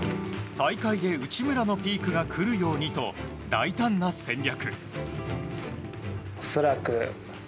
大会で内村のピークが来るようにと大胆な戦略。